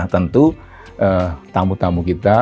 tentu tamu tamu kita